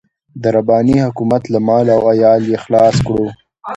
د رباني حکومت له مال او عيال يې خلاص کړو.